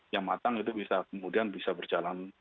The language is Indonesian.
yang matang itu bisa kemudian bisa berjalan